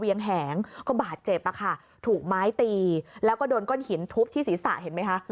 แหงก็บาดเจ็บอะค่ะถูกไม้ตีแล้วก็โดนก้อนหินทุบที่ศีรษะเห็นไหมคะ